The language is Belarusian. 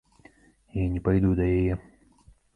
Я не пайду да яе.